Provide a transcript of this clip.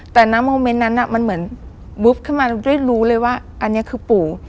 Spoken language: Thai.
แต่น้ำโมเมนต์นั้นมันเหมือนวึบขึ้นมาได้รู้เลยว่าอันนี้คือปู่